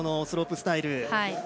スロープスタイル。